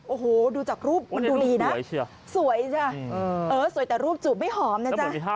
โอ้โหดูจากรูปมันดูดีนะสวยจ้ะเออสวยแต่รูปจูบไม่หอมนะจ๊ะ